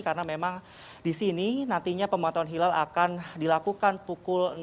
karena memang di sini nantinya pembatasan hilal akan dilakukan pukul enam